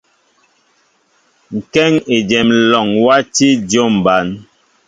Kéŋ éjem alɔŋ wati dyȏm ɓăn.